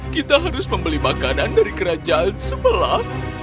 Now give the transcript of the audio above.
kita harus membeli makanan dari kerajaan sebelah